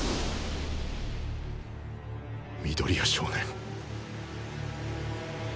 緑谷少年